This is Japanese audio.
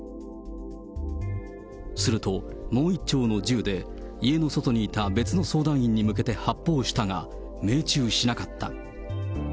すると、もう１丁の銃で家の外にいた、別の相談員に向けて発砲したが、命中しなかった。